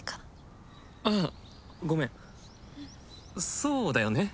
そうだよね。